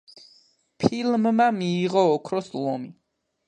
ფილმმა მიიღო ოქროს ლომი.